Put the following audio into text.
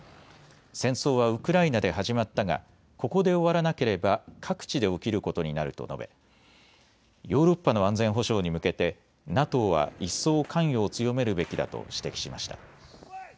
戦争はウクライナで始まったがここで終わらなければ各地で起きることになると述べヨーロッパの安全保障に向けてＮＡＴＯは一層、関与を強めるべきだと指摘しました。